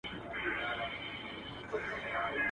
چا خندله چا به ټوکي جوړولې.